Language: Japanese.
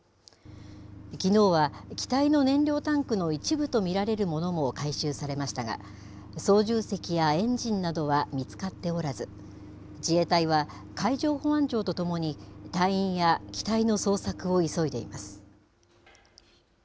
きのうは機体の燃料タンクの一部と見られるものも回収されましたが、操縦席やエンジンなどは見つかっておらず、自衛隊は、海上保安庁とともに、隊員や機体の捜索を急いでいます。